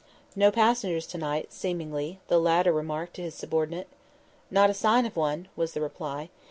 "No passengers to night, seemingly," the latter remarked to his subordinate. "Not a sign of one," was the reply.